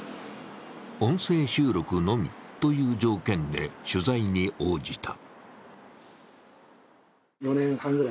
音声収録のみという条件で取材に応じた。